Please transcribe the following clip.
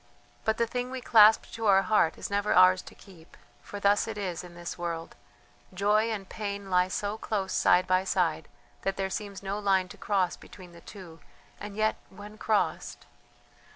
"But the thing we clasp to our heart is never ours to keep, for thus it is in this world. Joy and pain lie so close side by side that there seems no line to cross between the two and yet when crossed....